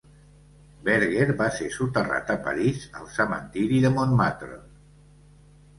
Berger va ser soterrat a París, al cementiri de Montmartre.